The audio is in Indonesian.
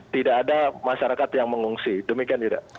tidak ada masyarakat yang mengungsi demikian ya da